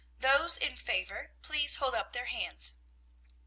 Those in favor, please hold up their hands."